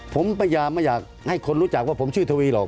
ผมพยายามไม่อยากให้คนรู้จักว่าผมชื่อทวีหรอก